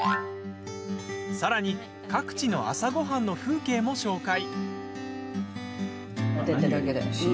さらに各地の朝ごはんの風景も紹介。